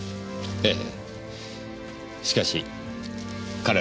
ええ。